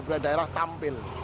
budaya daerah tampil